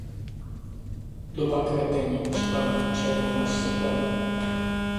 Doba kvetení připadá na červen až srpen.